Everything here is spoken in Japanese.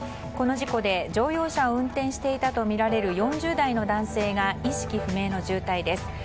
この事故で乗用車を運転していたとみられる４０代の男性が意識不明の重体です。